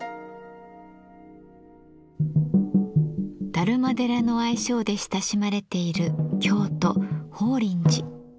達磨寺の愛称で親しまれている京都法輪寺。